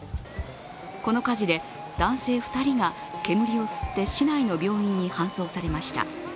この火事で男性２人が煙を吸って市内の病院に搬送されました。